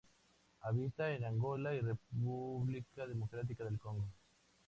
Habita en Angola y República Democrática del Congo.